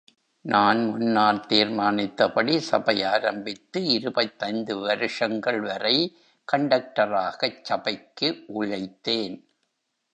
நான் முன்னால் தீர்மானித்தபடி, சபை ஆரம்பித்து இருபத்தைந்து வருஷங்கள் வரை கண்டக்டராகச் சபைக்கு உழைத்தேன்.